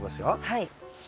はい。